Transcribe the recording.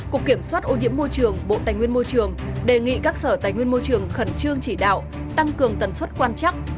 cục kiểm soát ô nhiễm môi trường bộ tài nguyên môi trường đề nghị các sở tài nguyên môi trường khẩn trương chỉ đạo tăng cường tần suất quan chắc